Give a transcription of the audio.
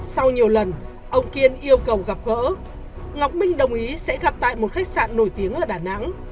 sau nhiều lần ông kiên yêu cầu gặp gỡ ngọc minh đồng ý sẽ gặp tại một khách sạn nổi tiếng ở đà nẵng